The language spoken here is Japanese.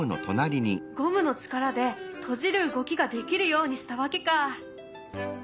ゴムの力で閉じる動きができるようにしたわけか。